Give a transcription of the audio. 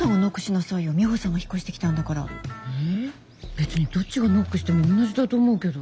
別にどっちがノックしても同じだと思うけど。